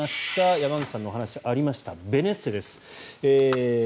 山口さんのお話にもありましたベネッセです。